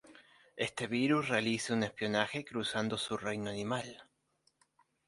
Este virus realiza un espionaje cruzando su reino animal.